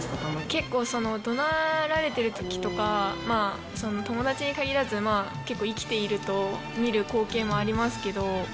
結構、どなられているときとか、友達に限らず、結構、生きていると見る光景もありますけど。